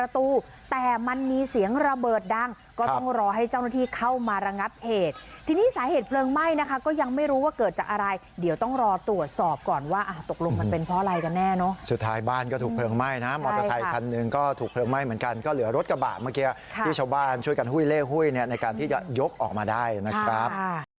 ตกลงมันเป็นเพราะอะไรกันแน่นะสุดท้ายบ้านก็ถูกเพลิงไหม้นะมอเตอร์ไซค์คันหนึ่งก็ถูกเพลิงไหม้เหมือนกันก็เหลือรถกระบาดเมื่อกี้ที่ชาวบ้านช่วยกันหุ้ยเล่หุ้ยในการที่จะยกออกมาได้นะครับ